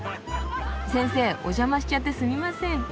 先生お邪魔しちゃってすみません。